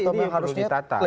ini harus ditata